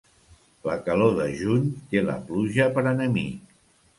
La calor de juny té la pluja per enemic.